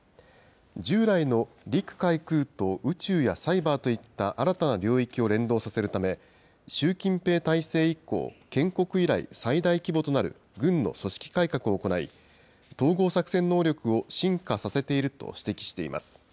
従来の陸海空と宇宙やサイバーといった新たな領域を連動させるため、習近平体制以降、建国以来最大規模となる軍の組織改革を行い、統合作戦能力を深化させていると指摘しています。